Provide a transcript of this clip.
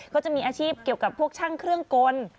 เขาจะมีอาชีพเกี่ยวกับพวกช่างเครื่องกล